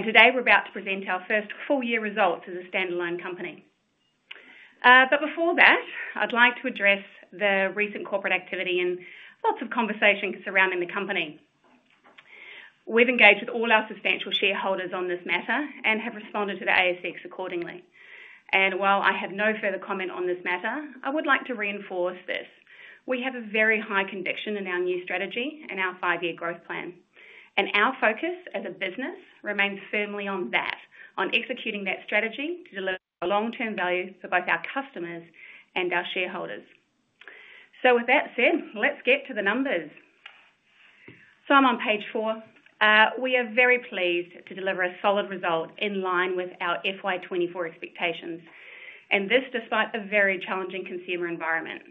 Today we're about to present our first full-year results as a standalone company. Before that, I'd like to address the recent corporate activity and lots of conversation surrounding the company. We've engaged with all our substantial shareholders on this matter and have responded to the ASX accordingly. While I have no further comment on this matter, I would like to reinforce this: we have a very high conviction in our new strategy and our five-year growth plan. Our focus as a business remains firmly on that, on executing that strategy to deliver long-term value for both our customers and our shareholders. With that said, let's get to the numbers. I'm on page four. We are very pleased to deliver a solid result in line with our FY 2024 expectations, and this despite a very challenging consumer environment.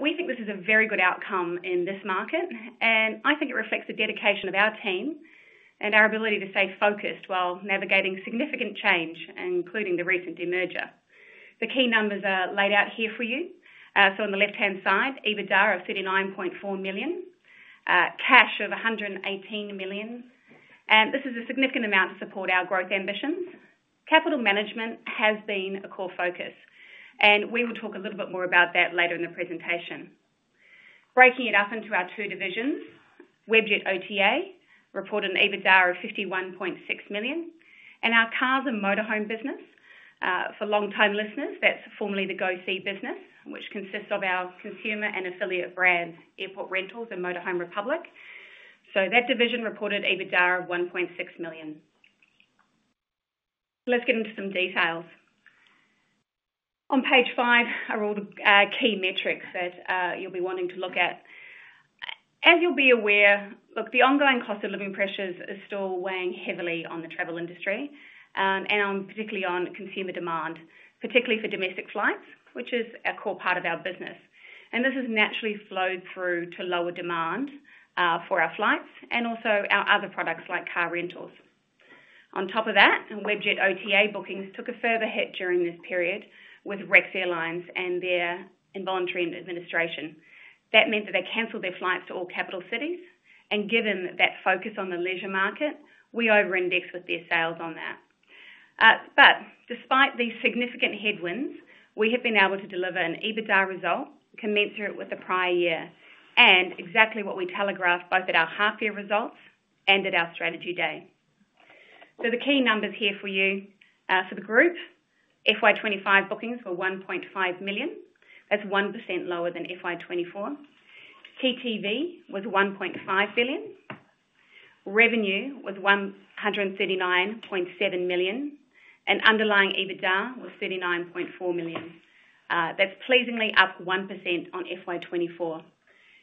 We think this is a very good outcome in this market, and I think it reflects the dedication of our team and our ability to stay focused while navigating significant change, including the recent merger. The key numbers are laid out here for you. On the left-hand side, EBITDA of 39.4 million, cash of 118 million. This is a significant amount to support our growth ambitions. Capital management has been a core focus, and we will talk a little bit more about that later in the presentation. Breaking it up into our two divisions, Webjet OTA reported an EBITDA of 51.6 million, and our cars and motorhome business. For long-time listeners, that is formerly the GoC business, which consists of our consumer and affiliate brands, Airport Rentals and Motorhome Republic. That division reported EBITDA of 1.6 million. Let's get into some details. On page five are all the key metrics that you'll be wanting to look at. As you'll be aware, look, the ongoing cost of living pressures are still weighing heavily on the travel industry, and particularly on consumer demand, particularly for domestic flights, which is a core part of our business. This has naturally flowed through to lower demand for our flights and also our other products like car rentals. On top of that, Webjet OTA bookings took a further hit during this period with Rex Airlines and their involuntary administration. That meant that they canceled their flights to all capital cities. Given that focus on the leisure market, we over-indexed with their sales on that. Despite these significant headwinds, we have been able to deliver an EBITDA result commensurate with the prior year and exactly what we telegraphed both at our half-year results and at our strategy day. The key numbers here for you for the group: FY 2025 bookings were 1.5 million. That is 1% lower than FY 2024. TTV was 1.5 billion. Revenue was 139.7 million. Underlying EBITDA was 39.4 million. That is pleasingly up 1% on FY 2024.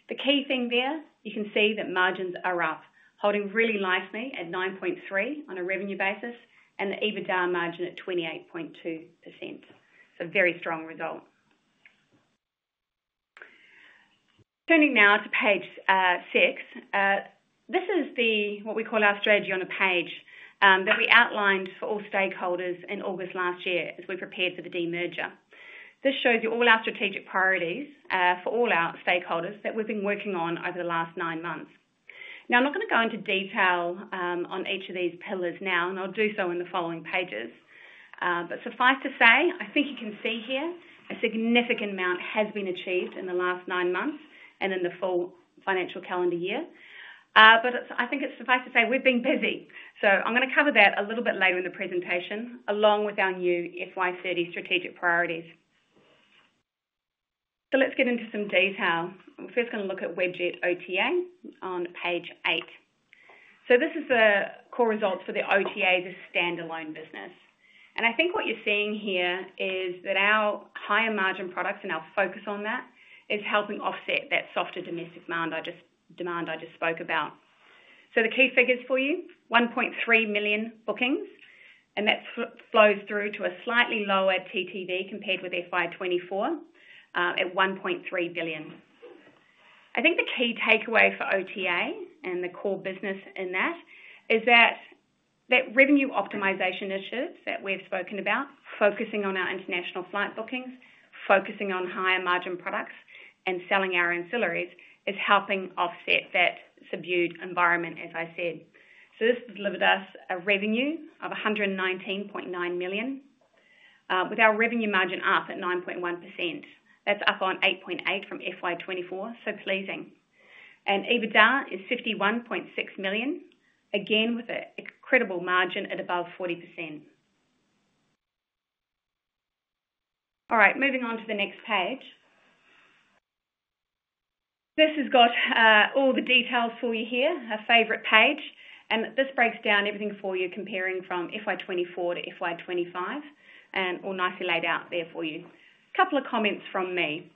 The key thing there, you can see that margins are up, holding really nicely at 9.3% on a revenue basis and the EBITDA margin at 28.2%. It is a very strong result. Turning now to page six, this is what we call our strategy on a page that we outlined for all stakeholders in August last year as we prepared for the demerger. This shows you all our strategic priorities for all our stakeholders that we've been working on over the last nine months. Now, I'm not going to go into detail on each of these pillars now, and I'll do so in the following pages. Suffice to say, I think you can see here a significant amount has been achieved in the last nine months and in the full financial calendar year. I think it's suffice to say we've been busy. I'm going to cover that a little bit later in the presentation along with our new FY 2030 strategic priorities. Let's get into some detail. We're first going to look at Webjet OTA on page eight. This is the core results for the OTA as a standalone business. I think what you're seeing here is that our higher margin products and our focus on that is helping offset that softer domestic demand I just spoke about. The key figures for you: 1.3 million bookings, and that flows through to a slightly lower TTV compared with FY 2024 at 1.3 billion. I think the key takeaway for OTA and the core business in that is that revenue optimization initiatives that we've spoken about, focusing on our international flight bookings, focusing on higher margin products, and selling our ancillaries, is helping offset that subdued environment, as I said. This delivered us a revenue of 119.9 million with our revenue margin up at 9.1%. That's up on 8.8% from FY 2024, pleasing. EBITDA is 51.6 million, again with an incredible margin at above 40%. All right, moving on to the next page. This has got all the details for you here, our favorite page. This breaks down everything for you, comparing from FY 2024 to FY 2025, and all nicely laid out there for you. A couple of comments from me.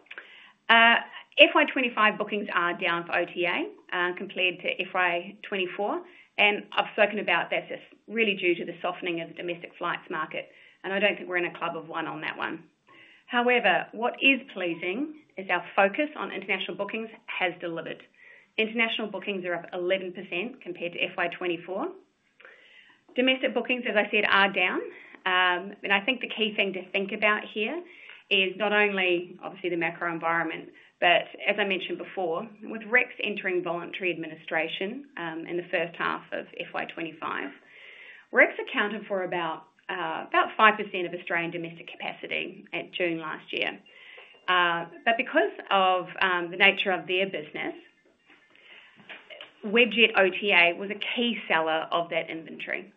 FY 2025 bookings are down for OTA compared to FY 2024. I have spoken about this, really due to the softening of the domestic flights market, and I do not think we are in a club of one on that one. However, what is pleasing is our focus on international bookings has delivered. International bookings are up 11% compared to FY 2024. Domestic bookings, as I said, are down. I think the key thing to think about here is not only, obviously, the macro environment, but as I mentioned before, with Rex entering voluntary administration in the first half of FY 2025, Rex accounted for about 5% of Australian domestic capacity at June last year. Because of the nature of their business, Webjet OTA was a key seller of that inventory.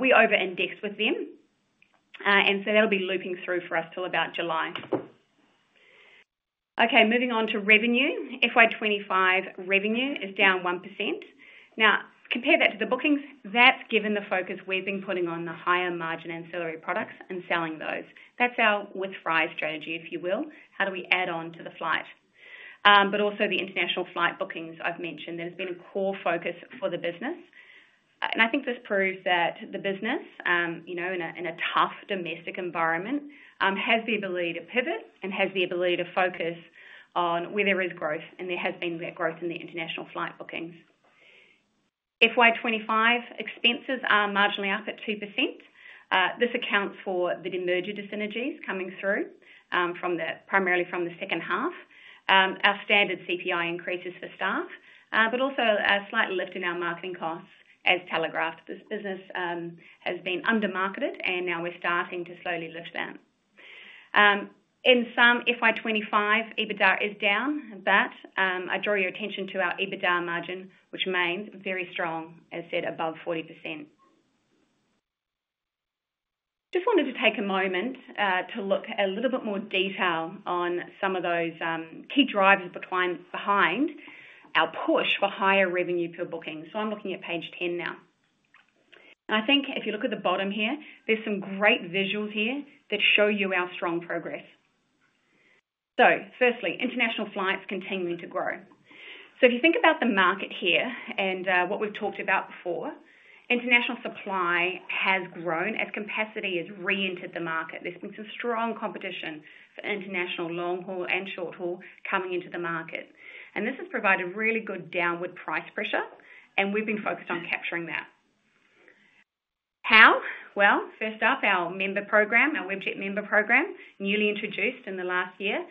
We over-indexed with them, and so that'll be looping through for us till about July. Okay, moving on to revenue. FY 2025 revenue is down 1%. Now, compare that to the bookings. That's given the focus we've been putting on the higher margin ancillary products and selling those. That's our with fries strategy, if you will. How do we add on to the flight? Also, the international flight bookings I've mentioned, that has been a core focus for the business. I think this proves that the business, in a tough domestic environment, has the ability to pivot and has the ability to focus on where there is growth, and there has been that growth in the international flight bookings. FY 2025 expenses are marginally up at 2%. This accounts for the demerger synergies coming through primarily from the second half, our standard CPI increases for staff, but also a slight lift in our marketing costs, as telegraphed. This business has been under-marketed, and now we're starting to slowly lift that. In sum, FY 2025 EBITDA is down, but I draw your attention to our EBITDA margin, which remains very strong, as said, above 40%. Just wanted to take a moment to look a little bit more detail on some of those key drivers behind our push for higher revenue per booking. I am looking at page 10 now. I think if you look at the bottom here, there are some great visuals here that show you our strong progress. Firstly, international flights continuing to grow. If you think about the market here and what we've talked about before, international supply has grown as capacity has re-entered the market. There's been some strong competition for international long-haul and short-haul coming into the market. This has provided really good downward price pressure, and we've been focused on capturing that. How? First up, our member program, our Webjet Member Program, newly introduced in the last year,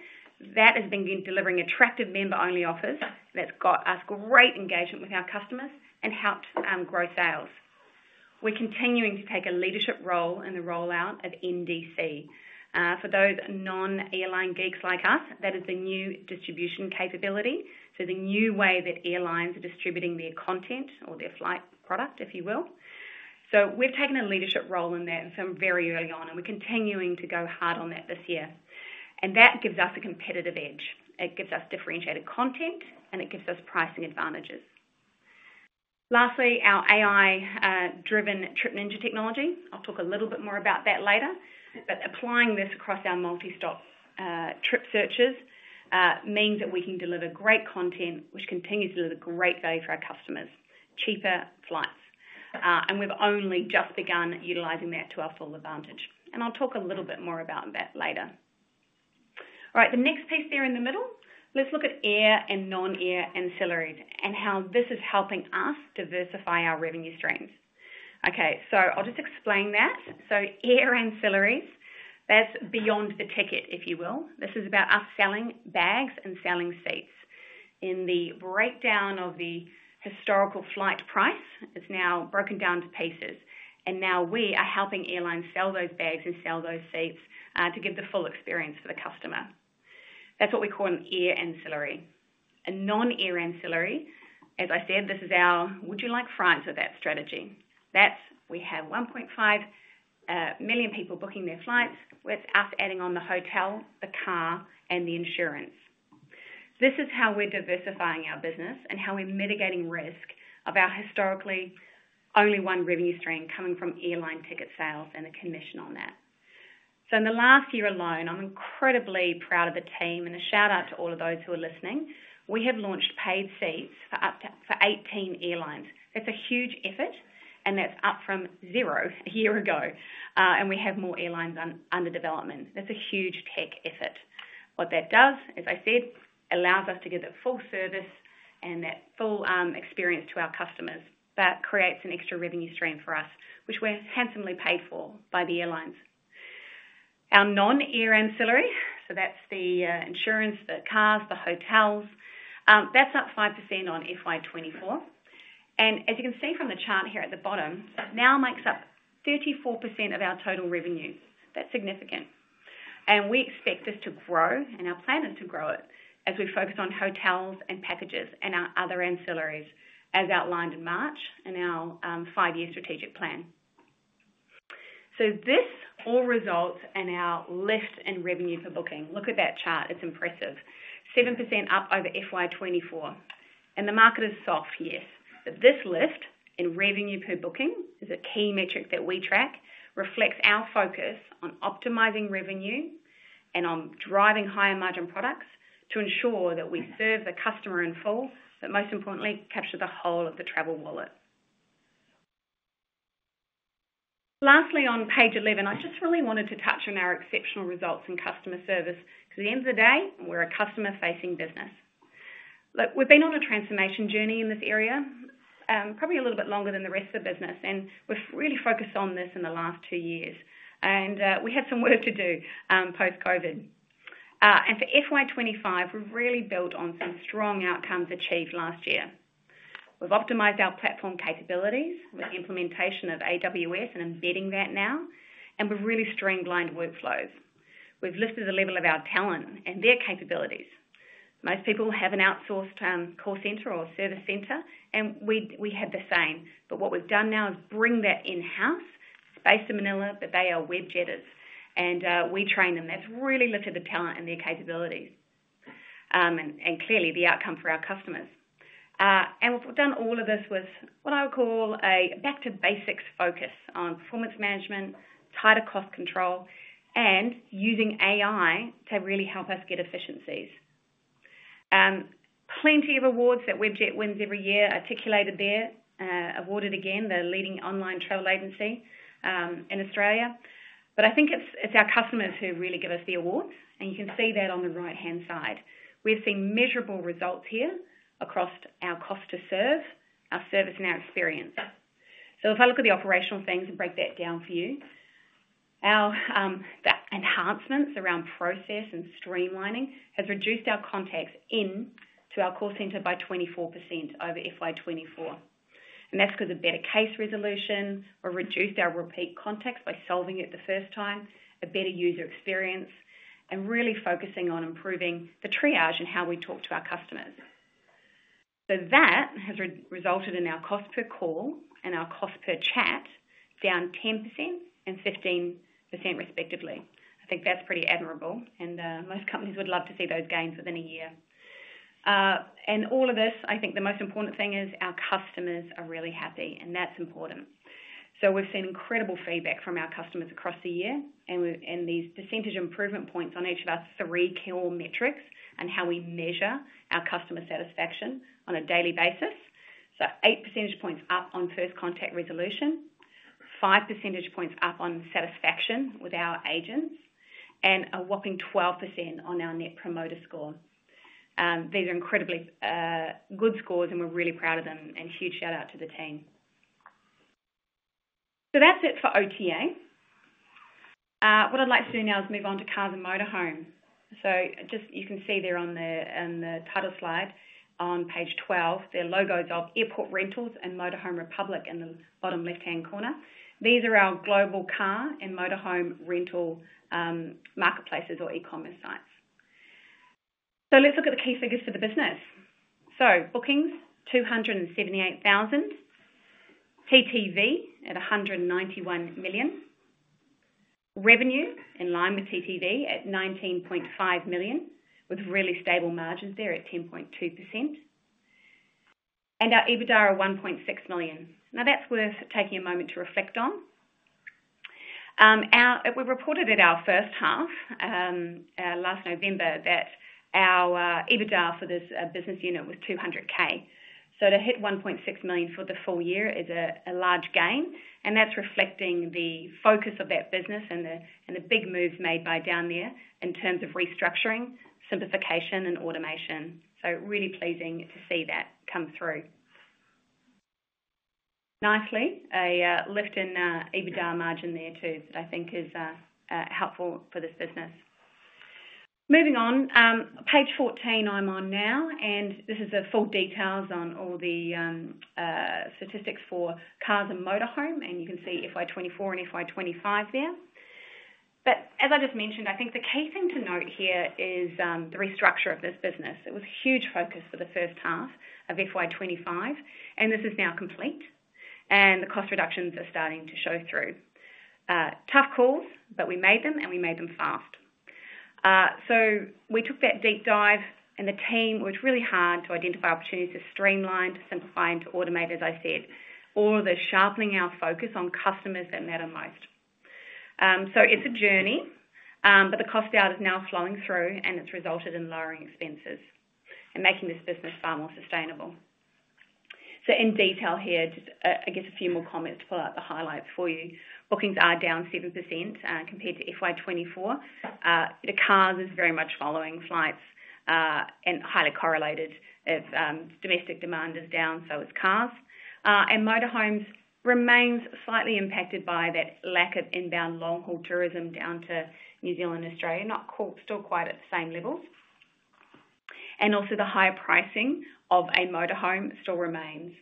that has been delivering attractive member-only offers that's got us great engagement with our customers and helped grow sales. We're continuing to take a leadership role in the rollout of NDC. For those non-airline geeks like us, that is the New Distribution Capability. The new way that airlines are distributing their content or their flight product, if you will. We have taken a leadership role in that from very early on, and we are continuing to go hard on that this year. That gives us a competitive edge. It gives us differentiated content, and it gives us pricing advantages. Lastly, our AI-driven Trip Ninja technology. I will talk a little bit more about that later. Applying this across our multi-stop trip searches means that we can deliver great content, which continues to deliver great value for our customers: cheaper flights. We have only just begun utilizing that to our full advantage. I will talk a little bit more about that later. All right, the next piece there in the middle, let us look at air and non-air ancillaries and how this is helping us diversify our revenue streams. I will just explain that. Air ancillaries, that is beyond the ticket, if you will. This is about us selling bags and selling seats. In the breakdown of the historical flight price, it's now broken down to pieces. Now we are helping airlines sell those bags and sell those seats to give the full experience for the customer. That's what we call an air ancillary. A non-air ancillary, as I said, this is our would-you-like-fries-with-that strategy. We have 1.5 million people booking their flights. That's us adding on the hotel, the car, and the insurance. This is how we're diversifying our business and how we're mitigating risk of our historically only one revenue stream coming from airline ticket sales and the commission on that. In the last year alone, I'm incredibly proud of the team, and a shout-out to all of those who are listening. We have launched paid seats for 18 airlines. That's a huge effort, and that's up from zero a year ago. We have more airlines under development. That's a huge tech effort. What that does, as I said, allows us to give that full service and that full experience to our customers. That creates an extra revenue stream for us, which we're handsomely paid for by the airlines. Our non-air ancillary, so that's the insurance, the cars, the hotels, that's up 5% on FY 2024. As you can see from the chart here at the bottom, that now makes up 34% of our total revenue. That's significant. We expect this to grow, and our plan is to grow it as we focus on hotels and packages and our other ancillaries as outlined in March in our five-year strategic plan. This all results in our lift in revenue per booking. Look at that chart. It's impressive. 7% up over FY 2024. The market is soft, yes. This lift in revenue per booking is a key metric that we track, reflects our focus on optimizing revenue and on driving higher margin products to ensure that we serve the customer in full, but most importantly, capture the whole of the travel wallet. Lastly, on page 11, I just really wanted to touch on our exceptional results in customer service because at the end of the day, we're a customer-facing business. Look, we've been on a transformation journey in this area, probably a little bit longer than the rest of the business, and we've really focused on this in the last two years. We had some work to do post-COVID. For FY 2025, we've really built on some strong outcomes achieved last year. have optimized our platform capabilities with implementation of AWS and embedding that now, and we have really streamlined workflows. We have lifted the level of our talent and their capabilities. Most people have an outsourced call center or service center, and we have the same. What we have done now is bring that in-house. It is based in Manila, but they are Webjetters, and we train them. That has really lifted the talent and their capabilities and clearly the outcome for our customers. We have done all of this with what I would call a back-to-basics focus on performance management, tighter cost control, and using AI to really help us get efficiencies. Plenty of awards that Webjet wins every year articulated there, awarded again the leading online travel agency in Australia. I think it is our customers who really give us the awards, and you can see that on the right-hand side. We've seen measurable results here across our cost to serve, our service, and our experience. If I look at the operational things and break that down for you, enhancements around process and streamlining have reduced our contacts into our call center by 24% over FY 2024. That's because of better case resolution. We've reduced our repeat contacts by solving it the first time, a better user experience, and really focusing on improving the triage and how we talk to our customers. That has resulted in our cost per call and our cost per chat down 10% and 15% respectively. I think that's pretty admirable, and most companies would love to see those gains within a year. All of this, I think the most important thing is our customers are really happy, and that's important. We've seen incredible feedback from our customers across the year, and these percentage improvement points on each of our three core metrics and how we measure our customer satisfaction on a daily basis. eight percentage points up on first contact resolution, five percentage points up on satisfaction with our agents, and a whopping 12% on our net promoter score. These are incredibly good scores, and we're really proud of them, and huge shout-out to the team. That's it for OTA. What I'd like to do now is move on to cars and motorhomes. You can see there on the title slide on page 12, there are logos of Airport Rentals and Motorhome Republic in the bottom left-hand corner. These are our global car and motorhome rental marketplaces or e-commerce sites. Let's look at the key figures for the business. Bookings, 278,000. TTV at 191 million. Revenue, in line with TTV, at 19.5 million, with really stable margins there at 10.2%. And our EBITDA are 1.6 million. Now, that's worth taking a moment to reflect on. We reported at our first half last November that our EBITDA for this business unit was 200,000. So to hit 1.6 million for the full year is a large gain, and that's reflecting the focus of that business and the big moves made by down there in terms of restructuring, simplification, and automation. So really pleasing to see that come through. Nicely, a lift in EBITDA margin there too that I think is helpful for this business. Moving on, page 14 I'm on now, and this is the full details on all the statistics for cars and motorhome, and you can see FY 2024 and FY 2025 there. As I just mentioned, I think the key thing to note here is the restructure of this business. It was a huge focus for the first half of FY 2025, and this is now complete, and the cost reductions are starting to show through. Tough calls, but we made them, and we made them fast. We took that deep dive, and the team worked really hard to identify opportunities to streamline, to simplify, and to automate, as I said, all of the sharpening our focus on customers that matter most. It is a journey, but the cost out is now flowing through, and it has resulted in lowering expenses and making this business far more sustainable. In detail here, just I guess a few more comments to pull out the highlights for you. Bookings are down 7% compared to FY 2024. The cars is very much following flights and highly correlated. Domestic demand is down, so is cars. Motorhomes remains slightly impacted by that lack of inbound long-haul tourism down to New Zealand and Australia, not still quite at the same levels. Also the higher pricing of a motorhome still remains.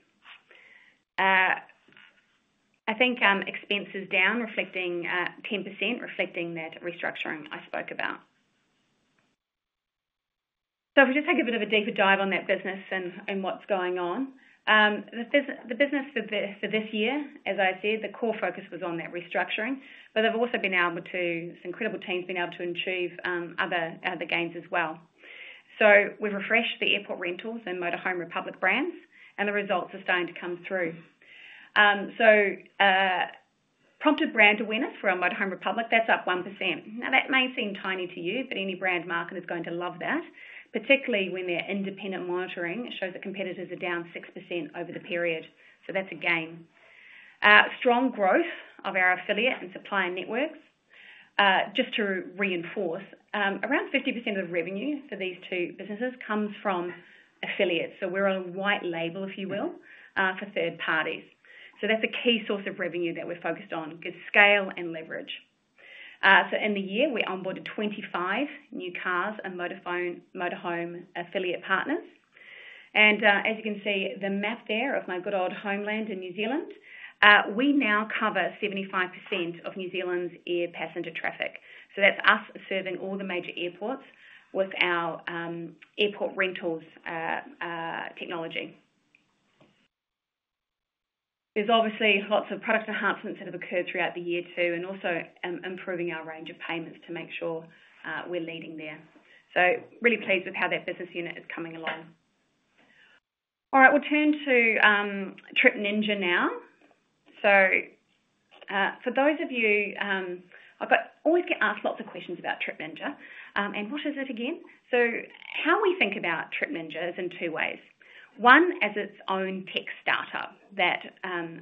I think expenses down, reflecting 10%, reflecting that restructuring I spoke about. If we just take a bit of a deeper dive on that business and what's going on. The business for this year, as I said, the core focus was on that restructuring, but they've also been able to, some incredible teams have been able to achieve other gains as well. We've refreshed the Airport Rentals and Motorhome Republic brands, and the results are starting to come through. Prompted brand awareness for our Motorhome Republic, that's up 1%. Now, that may seem tiny to you, but any brand market is going to love that, particularly when they're independent monitoring. It shows that competitors are down 6% over the period. That's a gain. Strong growth of our affiliate and supplier networks. Just to reinforce, around 50% of the revenue for these two businesses comes from affiliates. We're on a white label, if you will, for third parties. That's a key source of revenue that we're focused on, good scale and leverage. In the year, we onboarded 25 new car and motorhome affiliate partners. As you can see, the map there of my good old homeland in New Zealand, we now cover 75% of New Zealand's air passenger traffic. That's us serving all the major airports with our Airport Rentals technology. There's obviously lots of product enhancements that have occurred throughout the year too, and also improving our range of payments to make sure we're leading there. Really pleased with how that business unit is coming along. All right, we'll turn to Trip Ninja now. For those of you, I always get asked lots of questions about Trip Ninja. And what is it again? How we think about Trip Ninja is in two ways. One, as its own tech startup that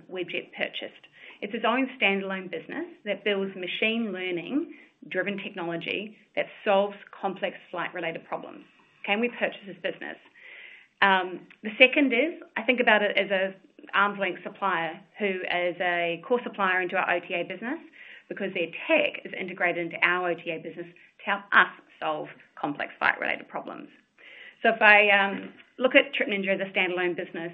Webjet purchased. It's its own standalone business that builds machine learning-driven technology that solves complex flight-related problems. Can we purchase this business? The second is, I think about it as an arm's length supplier who is a core supplier into our OTA business because their tech is integrated into our OTA business to help us solve complex flight-related problems. If I look at Trip Ninja, the standalone business,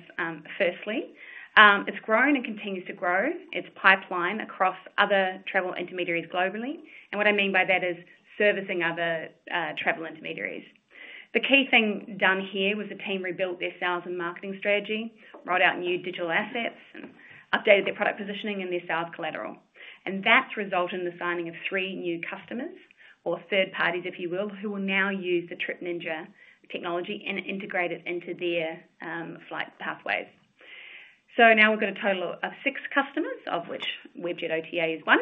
firstly, it's grown and continues to grow. It's pipelined across other travel intermediaries globally. What I mean by that is servicing other travel intermediaries. The key thing done here was the team rebuilt their sales and marketing strategy, brought out new digital assets, and updated their product positioning and their sales collateral. That's resulted in the signing of three new customers or third parties, if you will, who will now use the Trip Ninja technology and integrate it into their flight pathways. Now we've got a total of six customers, of which Webjet OTA is one.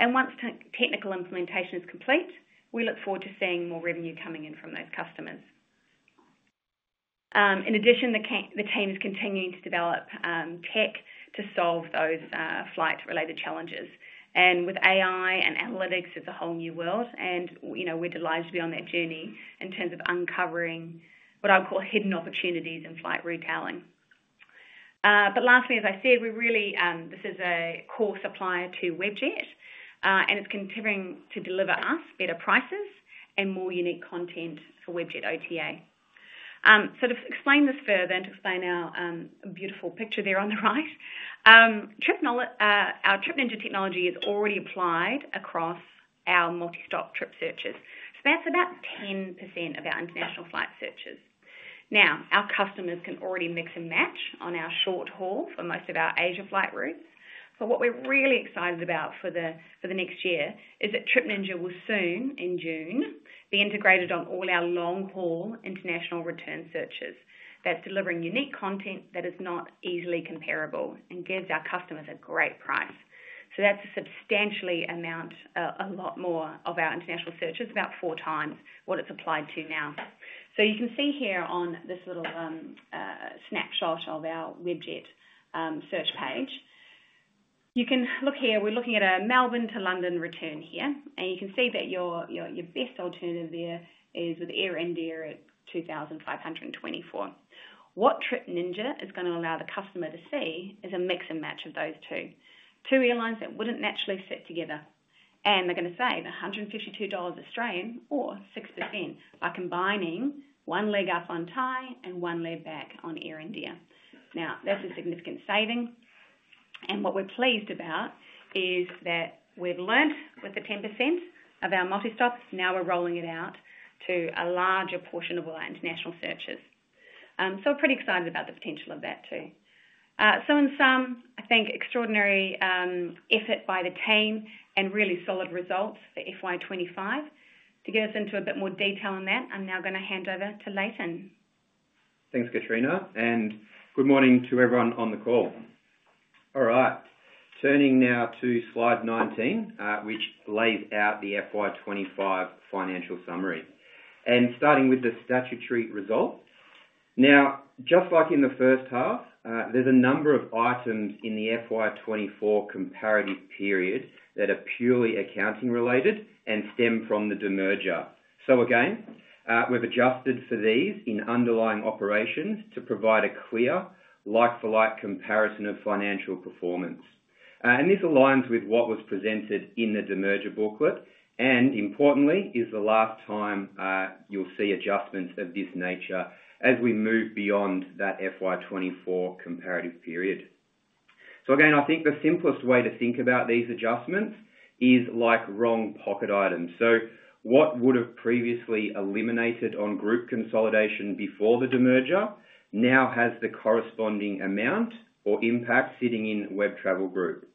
Once technical implementation is complete, we look forward to seeing more revenue coming in from those customers. In addition, the team is continuing to develop tech to solve those flight-related challenges. With AI and analytics, it's a whole new world, and we're delighted to be on that journey in terms of uncovering what I would call hidden opportunities in flight retailing. Lastly, as I said, this is a core supplier to Webjet, and it's continuing to deliver us better prices and more unique content for Webjet OTA. To explain this further and to explain our beautiful picture there on the right, our Trip Ninja technology is already applied across our multi-stop trip searches. That's about 10% of our international flight searches. Our customers can already mix and match on our short haul for most of our Asia flight routes. What we're really excited about for the next year is that Trip Ninja will soon, in June, be integrated on all our long-haul international return searches. That's delivering unique content that is not easily comparable and gives our customers a great price. That's a substantial amount, a lot more of our international searches, about four times what it's applied to now. You can see here on this little snapshot of our Webjet search page, you can look here, we're looking at a Melbourne to London return here, and you can see that your best alternative there is with Air India at 2,524. What Trip Ninja is going to allow the customer to see is a mix and match of those two airlines that wouldn't naturally sit together. They're going to save 152 Australian dollars or 6% by combining one leg up on Thai and one leg back on Air India. Now, that's a significant saving. What we're pleased about is that we've learned with the 10% of our multi-stop, now we're rolling it out to a larger portion of our international searches. We're pretty excited about the potential of that too. In sum, I think extraordinary effort by the team and really solid results for FY 2025. To get us into a bit more detail on that, I'm now going to hand over to Layton. Thanks, Katrina. Good morning to everyone on the call. All right, turning now to slide 19, which lays out the FY 2025 financial summary. Starting with the statutory results. Just like in the first half, there's a number of items in the FY 2024 comparative period that are purely accounting-related and stem from the demerger. We've adjusted for these in underlying operations to provide a clear like-for-like comparison of financial performance. This aligns with what was presented in the demerger booklet, and importantly, is the last time you'll see adjustments of this nature as we move beyond that FY 2024 comparative period. I think the simplest way to think about these adjustments is like wrong pocket items. What would have previously eliminated on group consolidation before the demerger now has the corresponding amount or impact sitting in Web Travel Group.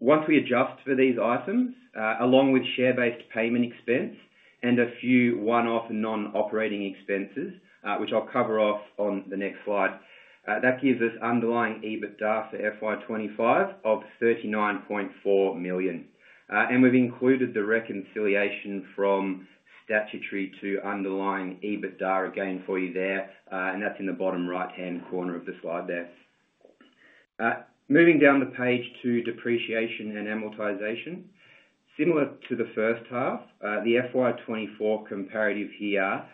Once we adjust for these items, along with share-based payment expense and a few one-off non-operating expenses, which I'll cover off on the next slide, that gives us underlying EBITDA for FY 2025 of 39.4 million. We've included the reconciliation from statutory to underlying EBITDA again for you there, and that's in the bottom right-hand corner of the slide there. Moving down the page to depreciation and amortization. Similar to the first half, the FY 2024 comparative here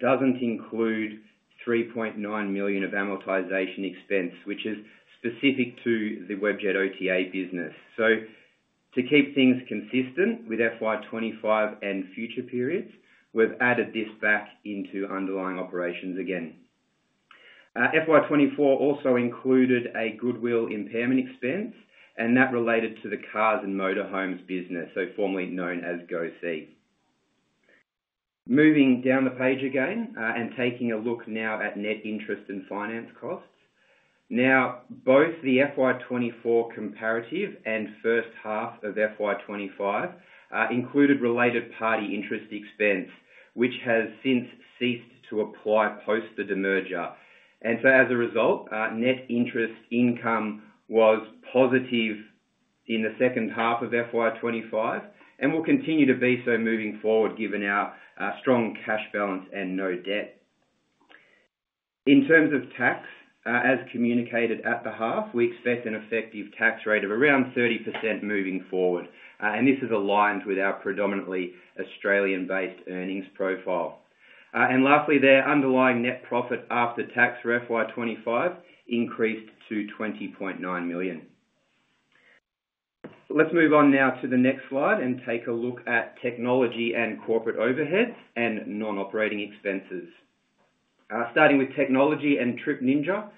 does not include 3.9 million of amortization expense, which is specific to the Webjet OTA business. To keep things consistent with FY 2025 and future periods, we have added this back into underlying operations again. FY 2024 also included a goodwill impairment expense, and that related to the cars and motorhomes business, so formerly known as GOSI. Moving down the page again and taking a look now at net interest and finance costs. Both the FY 2024 comparative and first half of FY 2025 included related party interest expense, which has since ceased to apply post the demerger. As a result, net interest income was positive in the second half of FY 2025 and will continue to be so moving forward given our strong cash balance and no debt. In terms of tax, as communicated at the half, we expect an effective tax rate of around 30% moving forward. This is aligned with our predominantly Australian-based earnings profile. Lastly there, underlying net profit after tax for FY 2025 increased to 20.9 million. Let's move on now to the next slide and take a look at technology and corporate overheads and non-operating expenses. Starting with technology and Trip Ninja,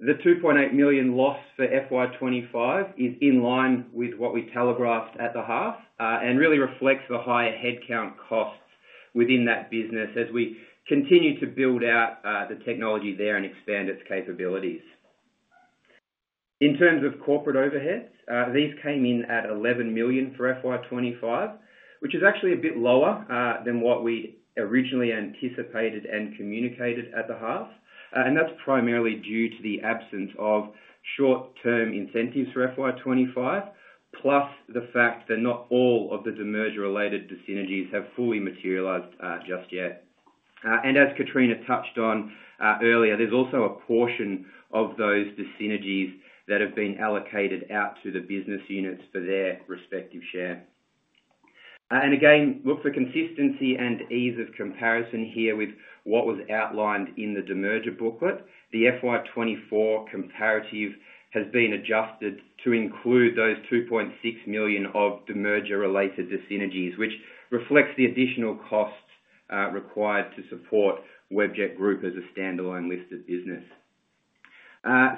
the 2.8 million loss for FY 2025 is in line with what we telegraphed at the half and really reflects the higher headcount costs within that business as we continue to build out the technology there and expand its capabilities. In terms of corporate overheads, these came in at 11 million for FY 2025, which is actually a bit lower than what we originally anticipated and communicated at the half. That is primarily due to the absence of short-term incentives for FY 2025, plus the fact that not all of the demerger-related synergies have fully materialized just yet. As Katrina touched on earlier, there is also a portion of those synergies that have been allocated out to the business units for their respective share. Look for consistency and ease of comparison here with what was outlined in the demerger booklet. The FY 2024 comparative has been adjusted to include those 2.6 million of demerger-related synergies, which reflects the additional costs required to support Webjet Group as a standalone listed business.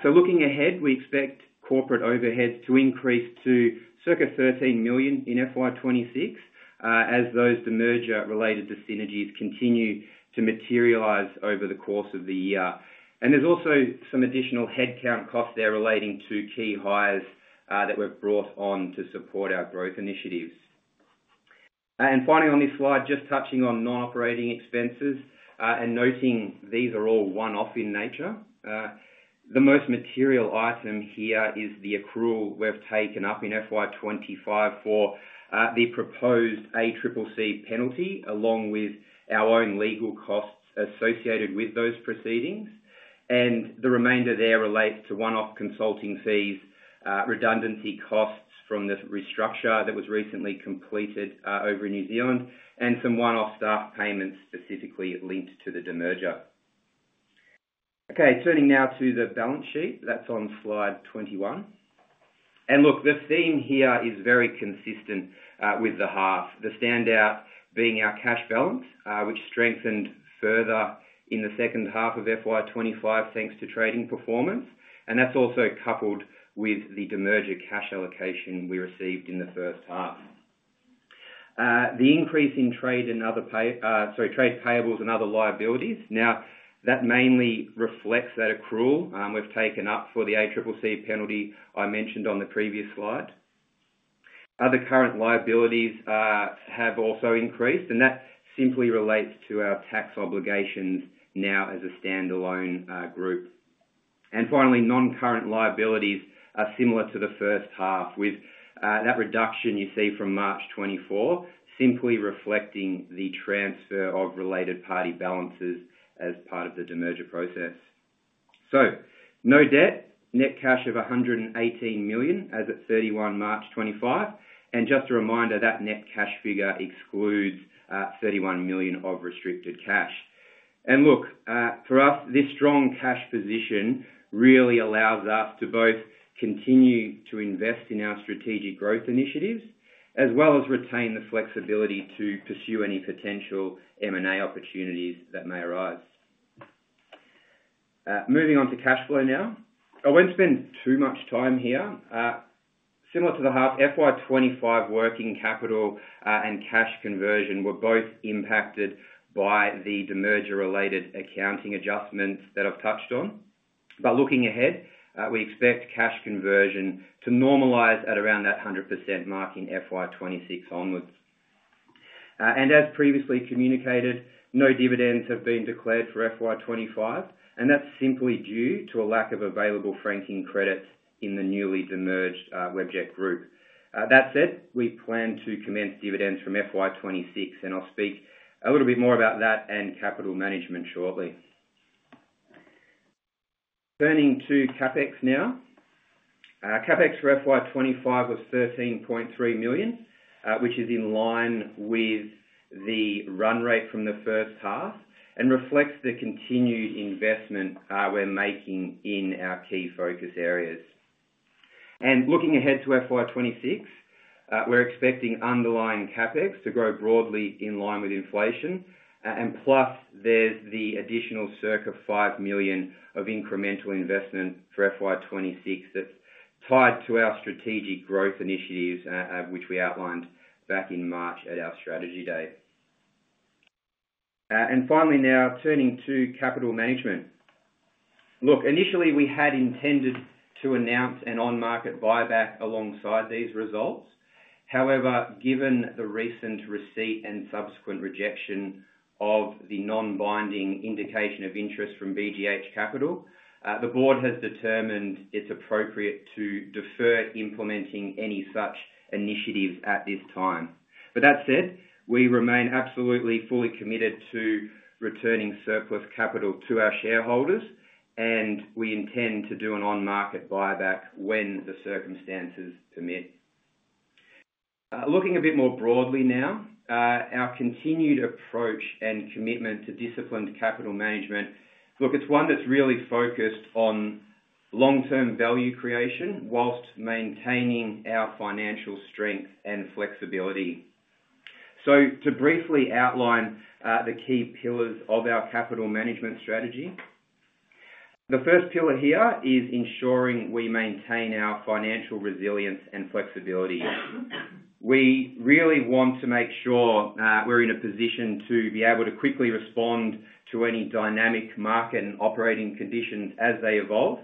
Looking ahead, we expect corporate overheads to increase to circa 13 million in FY 2026 as those demerger-related synergies continue to materialize over the course of the year. There are also some additional headcount costs there relating to key hires that were brought on to support our growth initiatives. Finally, on this slide, just touching on non-operating expenses and noting these are all one-off in nature. The most material item here is the accrual we've taken up in FY 2025 for the proposed ACCC penalty, along with our own legal costs associated with those proceedings. The remainder there relates to one-off consulting fees, redundancy costs from the restructure that was recently completed over in New Zealand, and some one-off staff payments specifically linked to the demerger. Okay, turning now to the balance sheet, that's on slide 21. The theme here is very consistent with the half. The standout being our cash balance, which strengthened further in the second half of FY 2025 thanks to trading performance. That's also coupled with the demerger cash allocation we received in the first half. The increase in trade and other payables and other liabilities. Now, that mainly reflects that accrual we've taken up for the ACCC penalty I mentioned on the previous slide. Other current liabilities have also increased, and that simply relates to our tax obligations now as a standalone group. Finally, non-current liabilities are similar to the first half, with that reduction you see from March 2024 simply reflecting the transfer of related party balances as part of the demerger process. No debt, net cash of 118 million as of 31 March 2025. Just a reminder, that net cash figure excludes 31 million of restricted cash. Look, for us, this strong cash position really allows us to both continue to invest in our strategic growth initiatives as well as retain the flexibility to pursue any potential M&A opportunities that may arise. Moving on to cash flow now. I won't spend too much time here. Similar to the half, FY 2025 working capital and cash conversion were both impacted by the demerger-related accounting adjustments that I've touched on. Looking ahead, we expect cash conversion to normalize at around that 100% mark in FY 2026 onwards. As previously communicated, no dividends have been declared for FY 2025, and that's simply due to a lack of available franking credit in the newly demerged Webjet Group. That said, we plan to commence dividends from FY 2026, and I'll speak a little bit more about that and capital management shortly. Turning to CapEx now. CapEx for FY 2025 was 13.3 million, which is in line with the run rate from the first half and reflects the continued investment we're making in our key focus areas. Looking ahead to FY 2026, we're expecting underlying CapEx to grow broadly in line with inflation. Plus there's the additional circa 5 million of incremental investment for FY 2026 that's tied to our strategic growth initiatives, which we outlined back in March at our strategy day. Finally, now, turning to capital management. Initially we had intended to announce an on-market buyback alongside these results. However, given the recent receipt and subsequent rejection of the non-binding indication of interest from BGH Capital, the board has determined it's appropriate to defer implementing any such initiatives at this time. That said, we remain absolutely fully committed to returning surplus capital to our shareholders, and we intend to do an on-market buyback when the circumstances permit. Looking a bit more broadly now, our continued approach and commitment to disciplined capital management, it's one that's really focused on long-term value creation whilst maintaining our financial strength and flexibility. To briefly outline the key pillars of our capital management strategy, the first pillar here is ensuring we maintain our financial resilience and flexibility. We really want to make sure we're in a position to be able to quickly respond to any dynamic market and operating conditions as they evolve.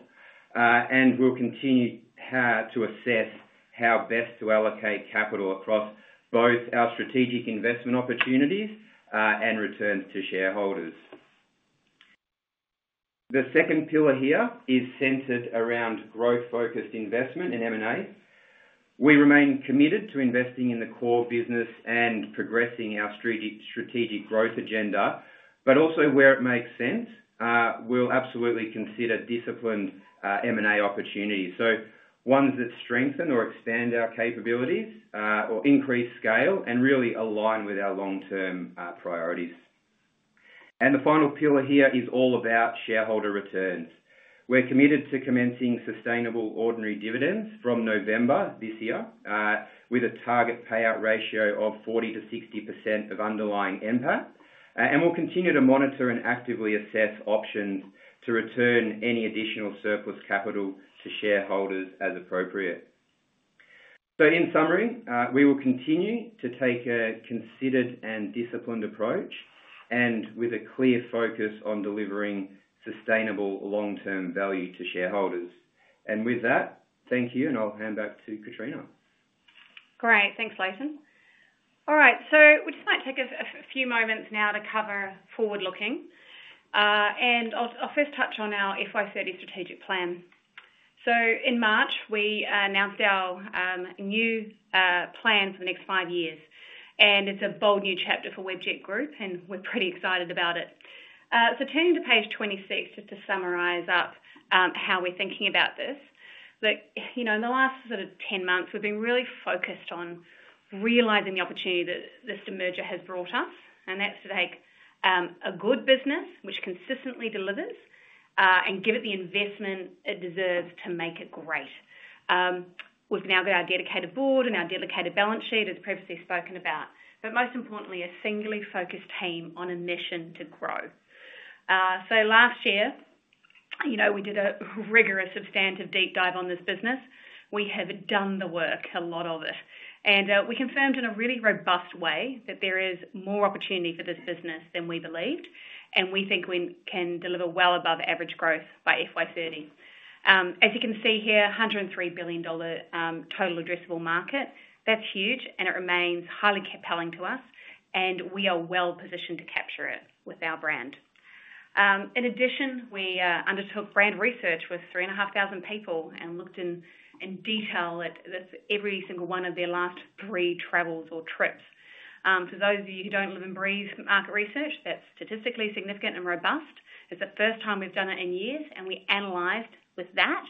We'll continue to assess how best to allocate capital across both our strategic investment opportunities and returns to shareholders. The second pillar here is centered around growth-focused investment in M&A. We remain committed to investing in the core business and progressing our strategic growth agenda, but also where it makes sense, we'll absolutely consider disciplined M&A opportunities. Ones that strengthen or expand our capabilities or increase scale and really align with our long-term priorities. The final pillar here is all about shareholder returns. We're committed to commencing sustainable ordinary dividends from November this year, with a target payout ratio of 40-60% of underlying impact. We will continue to monitor and actively assess options to return any additional surplus capital to shareholders as appropriate. In summary, we will continue to take a considered and disciplined approach with a clear focus on delivering sustainable long-term value to shareholders. Thank you, and I'll hand back to Katrina. Great. Thanks, Layton. All right. We just might take a few moments now to cover forward-looking. I'll first touch on our FY 2030 strategic plan. In March, we announced our new plan for the next five years. It's a bold new chapter for Webjet Group, and we're pretty excited about it. Turning to page 26 just to summarize up how we're thinking about this. In the last sort of 10 months, we've been really focused on realizing the opportunity that this demerger has brought us. That's to take a good business, which consistently delivers, and give it the investment it deserves to make it great. We've now got our dedicated board and our dedicated balance sheet, as previously spoken about. Most importantly, a singly-focused team on a mission to grow. Last year, we did a rigorous substantive deep dive on this business. We have done the work, a lot of it. We confirmed in a really robust way that there is more opportunity for this business than we believed. We think we can deliver well above average growth by FY 2030. As you can see here, 103 billion dollar total addressable market. That is huge, and it remains highly compelling to us. We are well positioned to capture it with our brand. In addition, we undertook brand research with 3,500 people and looked in detail at every single one of their last three travels or trips. For those of you who do not live and breathe market research, that is statistically significant and robust. It is the first time we have done it in years. We analyzed with that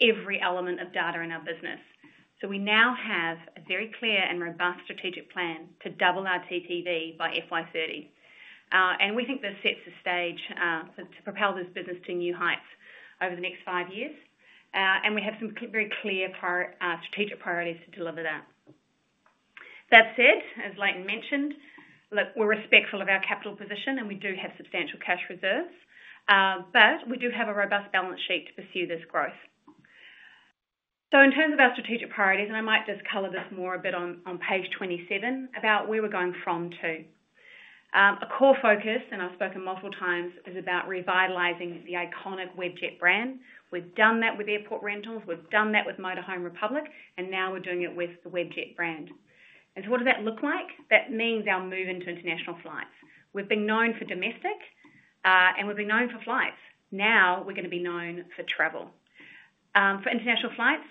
every element of data in our business. We now have a very clear and robust strategic plan to double our TTV by FY 2030. We think this sets the stage to propel this business to new heights over the next five years. We have some very clear strategic priorities to deliver that. That said, as Layton mentioned, look, we're respectful of our capital position, and we do have substantial cash reserves. We do have a robust balance sheet to pursue this growth. In terms of our strategic priorities, and I might just color this more a bit on page 27 about where we're going from to. A core focus, and I've spoken multiple times, is about revitalizing the iconic Webjet brand. We've done that with Airport Rentals. We've done that with Motorhome Republic. Now we're doing it with the Webjet brand. What does that look like? That means our move into international flights. We've been known for domestic, and we've been known for flights. Now we're going to be known for travel. For international flights,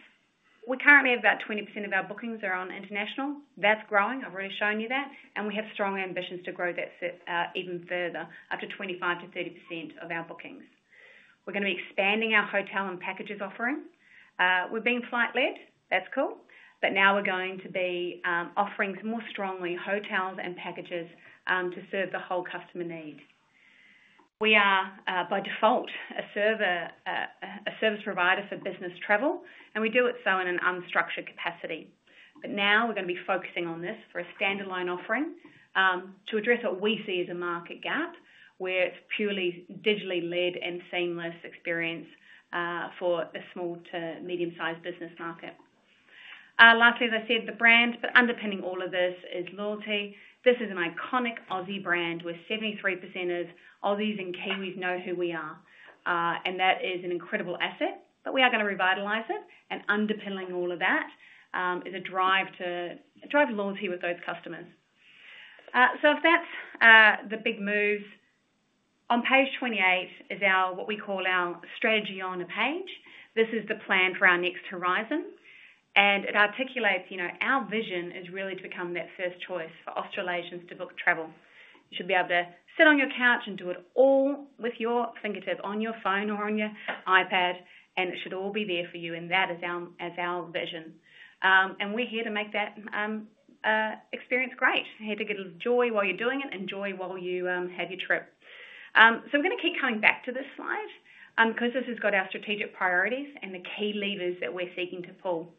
we currently have about 20% of our bookings that are on international. That's growing. I've already shown you that. We have strong ambitions to grow that even further, up to 25-30% of our bookings. We're going to be expanding our hotel and packages offering. We're being flight-led. That's cool. Now we're going to be offering more strongly hotels and packages to serve the whole customer need. We are, by default, a service provider for business travel, and we do it so in an unstructured capacity. Now we're going to be focusing on this for a standalone offering to address what we see as a market gap, where it's purely digitally-led and seamless experience for a small to medium-sized business market. Lastly, as I said, the brand, but underpinning all of this is loyalty. This is an iconic Aussie brand where 73% of Aussies and Kiwis know who we are. That is an incredible asset. We are going to revitalize it. Underpinning all of that is a drive to drive loyalty with those customers. If that is the big moves, on page 28 is what we call our strategy on a page. This is the plan for our next horizon. It articulates our vision is really to become that first choice for Australasians to book travel. You should be able to sit on your couch and do it all with your fingertips on your phone or on your iPad. It should all be there for you. That is our vision. We are here to make that experience great. Here to get a little joy while you are doing it and joy while you have your trip. We're going to keep coming back to this slide because this has got our strategic priorities and the key levers that we're seeking to pull.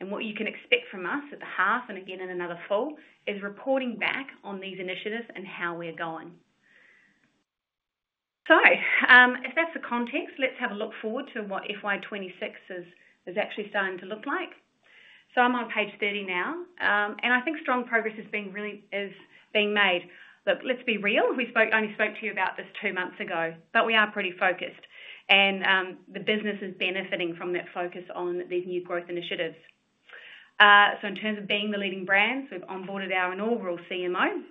What you can expect from us at the half and again in another full is reporting back on these initiatives and how we're going. If that's the context, let's have a look forward to what FY 2026 is actually starting to look like. I'm on page 30 now. I think strong progress is being made. Look, let's be real. We only spoke to you about this two months ago, but we are pretty focused. The business is benefiting from that focus on these new growth initiatives. In terms of being the leading brand, we've onboarded our inaugural CMO.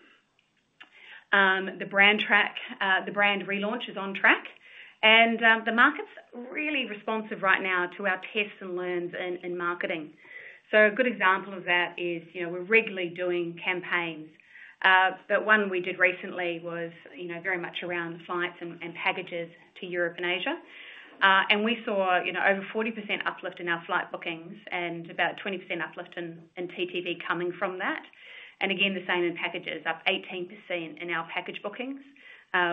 The brand relaunch is on track. The market's really responsive right now to our tests and learns in marketing. A good example of that is we're regularly doing campaigns. One we did recently was very much around flights and packages to Europe and Asia. We saw over 40% uplift in our flight bookings and about 20% uplift in TTV coming from that. Again, the same in packages, up 18% in our package bookings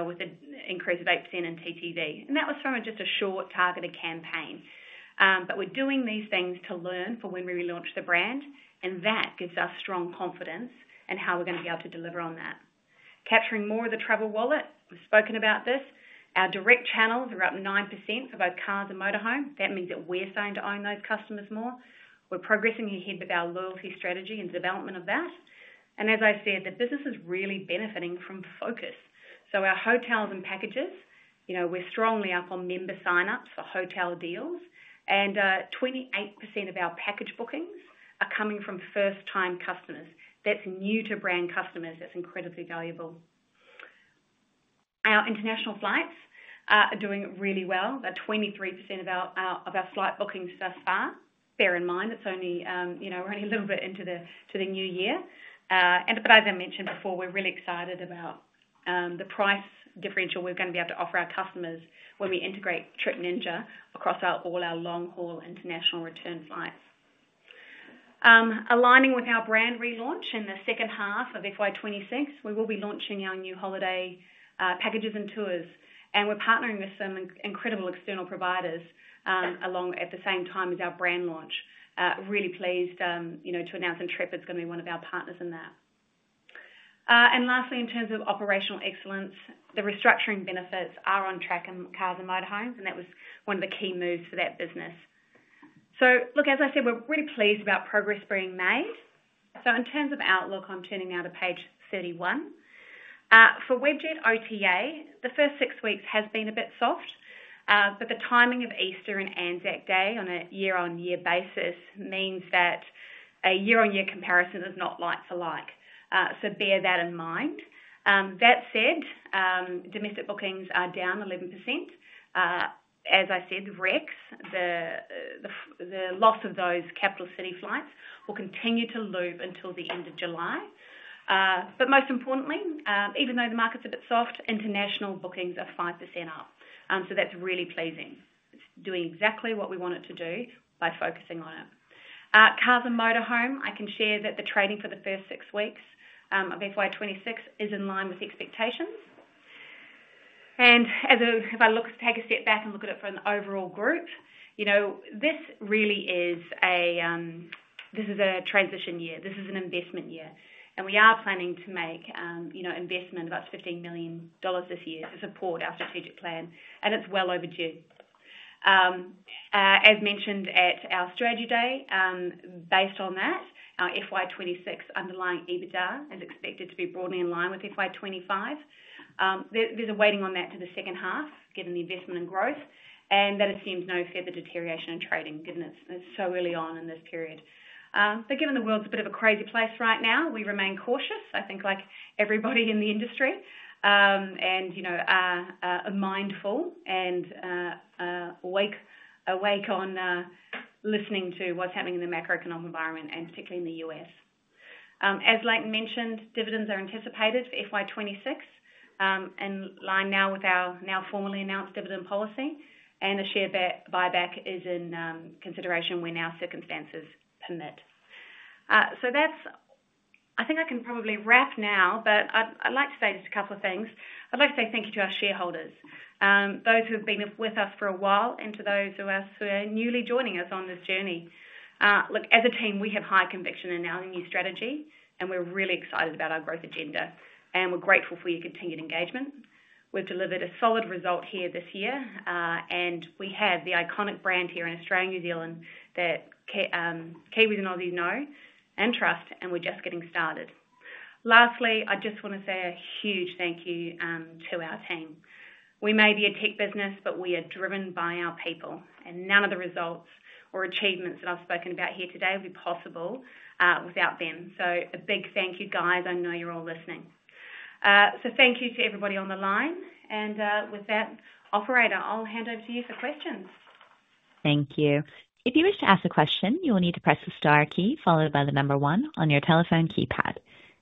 with an increase of 8% in TTV. That was from just a short targeted campaign. We're doing these things to learn for when we relaunch the brand. That gives us strong confidence in how we're going to be able to deliver on that. Capturing more of the travel wallet. We've spoken about this. Our direct channels are up 9% for both cars and motorhomes. That means that we're starting to own those customers more. We're progressing ahead with our loyalty strategy and development of that. As I said, the business is really benefiting from focus. Our hotels and packages are strongly up on member sign-ups for hotel deals. Twenty-eight percent of our package bookings are coming from first-time customers. That is new-to-brand customers. That is incredibly valuable. Our international flights are doing really well. That is 23% of our flight bookings thus far. Bear in mind, we are only a little bit into the new year. As I mentioned before, we are really excited about the price differential we are going to be able to offer our customers when we integrate Trip Ninja across all our long-haul international return flights. Aligning with our brand relaunch in the second half of fiscal year 2026, we will be launching our new holiday packages and tours. We are partnering with some incredible external providers at the same time as our brand launch. Really pleased to announce that Trip is going to be one of our partners in that. Lastly, in terms of operational excellence, the restructuring benefits are on track in cars and motorhomes. That was one of the key moves for that business. Look, as I said, we're really pleased about progress being made. In terms of outlook, I'm turning now to page 31. For Webjet OTA, the first six weeks has been a bit soft. The timing of Easter and Anzac Day on a year-on-year basis means that a year-on-year comparison is not like for like. Bear that in mind. That said, domestic bookings are down 11%. As I said, the Rex, the loss of those capital city flights will continue to loop until the end of July. Most importantly, even though the market's a bit soft, international bookings are 5% up. That is really pleasing. It is doing exactly what we want it to do by focusing on it. Cars and motorhome, I can share that the trading for the first six weeks of FY 2026 is in line with expectations. If I take a step back and look at it from the overall group, this really is a transition year. This is an investment year. We are planning to make investment of up to 15 million dollars this year to support our strategic plan. It is well overdue. As mentioned at our strategy day, based on that, our FY 2026 underlying EBITDA is expected to be broadly in line with FY 2025. There is a weighting on that to the second half, given the investment and growth. That assumes no further deterioration in trading, given it is so early on in this period. Given the world's a bit of a crazy place right now, we remain cautious, I think like everybody in the industry, and mindful and awake on listening to what's happening in the macroeconomic environment, and particularly in the U.S. As Layton mentioned, dividends are anticipated for FY 2026 in line now with our now formally announced dividend policy. A share buyback is in consideration when our circumstances permit. I think I can probably wrap now, but I'd like to say just a couple of things. I'd like to say thank you to our shareholders, those who have been with us for a while, and to those of us who are newly joining us on this journey. Look, as a team, we have high conviction in our new strategy. We're really excited about our growth agenda. We're grateful for your continued engagement. We've delivered a solid result here this year. We have the iconic brand here in Australia, New Zealand, that Kiwis and Aussies know and trust, and we're just getting started. Lastly, I just want to say a huge thank you to our team. We may be a tech business, but we are driven by our people. None of the results or achievements that I've spoken about here today would be possible without them. A big thank you, guys. I know you're all listening. Thank you to everybody on the line. With that, Operator, I'll hand over to you for questions. Thank you. If you wish to ask a question, you will need to press the star key followed by the number one on your telephone keypad.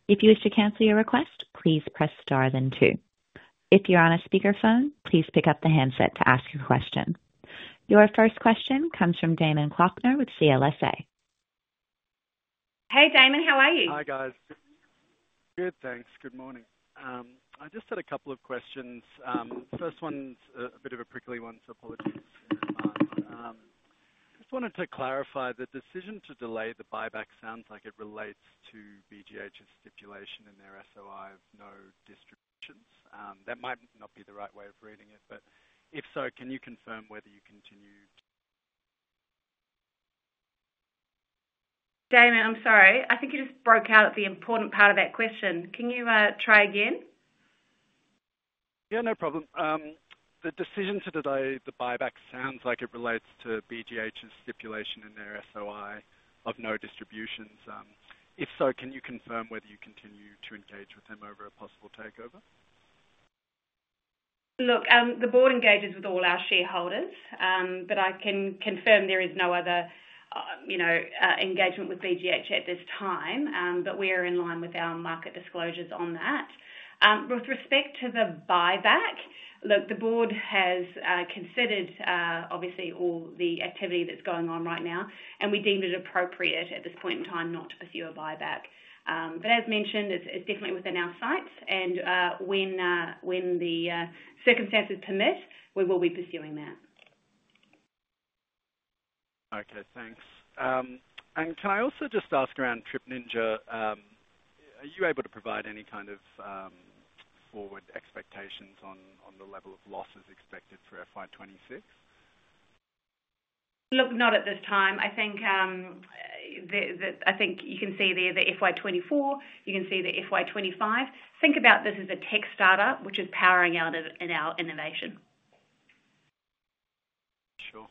If you wish to cancel your request, please press star then two. If you're on a speakerphone, please pick up the handset to ask your question. Your first question comes from Damen Kloeckner with CLSA. Hey, Damon. How are you? Hi, guys. Good, thanks. Good morning. I just had a couple of questions. First one's a bit of a prickly one, so apologies in advance. Just wanted to clarify the decision to delay the buyback sounds like it relates to BGH's stipulation in their SOI of no distributions. That might not be the right way of reading it. If so, can you confirm whether you continue? Damon, I'm sorry. I think you just broke out at the important part of that question. Can you try again? Yeah, no problem. The decision to delay the buyback sounds like it relates to BGH's stipulation in their SOI of no distributions. If so, can you confirm whether you continue to engage with them over a possible takeover? Look, the board engages with all our shareholders. I can confirm there is no other engagement with BGH at this time. We are in line with our market disclosures on that. With respect to the buyback, look, the board has considered, obviously, all the activity that's going on right now. We deemed it appropriate at this point in time not to pursue a buyback. As mentioned, it's definitely within our sights. When the circumstances permit, we will be pursuing that. Okay, thanks. Can I also just ask around Trip Ninja? Are you able to provide any kind of forward expectations on the level of losses expected for FY 2026? Look, not at this time. I think you can see there the FY 2024. You can see the FY 2025. Think about this as a tech startup, which is powering out in our innovation. Sure.